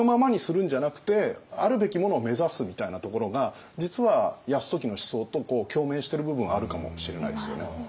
みたいなところが実は泰時の思想と共鳴している部分があるかもしれないですよね。